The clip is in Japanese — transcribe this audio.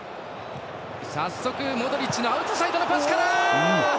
早速、モドリッチのアウトサイドのパスから。